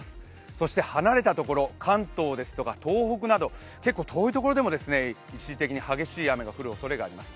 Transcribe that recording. そして離れたところ、関東ですとか東北など、結構遠いところでも一時的に激しい雨が降るところがあります。